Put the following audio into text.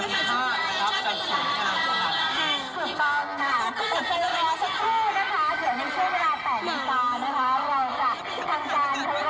ก็จะมีการพิพากษ์ก่อนก็มีเอ็กซ์สุขก่อน